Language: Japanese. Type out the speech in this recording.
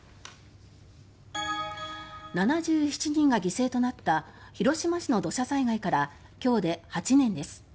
７７人が犠牲となった広島市の土砂災害から今日で８年です。